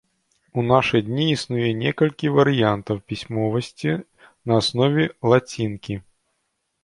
У нашы дні існуе некалькі варыянтаў пісьмовасці на аснове лацінкі.